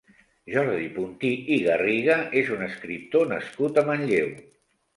Jordi Puntí i Garriga és un escriptor nascut a Manlleu.